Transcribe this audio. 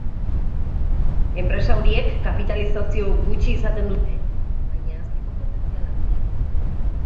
Enpresa horiek kapitalizazio gutxi izaten dute, baina hazteko potentzial handia.